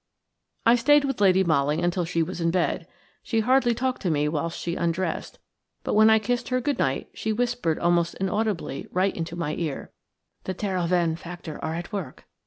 I stayed with Lady Molly until she was in bed. She hardly talked to me whilst she undressed, but when I kissed her "good night" she whispered almost inaudibly right into my ear: "The Terhoven faction are at work.